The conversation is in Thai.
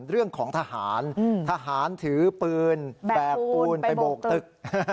เรื่องของทหารทหารถือปืนแบกปูนไปโบกตึก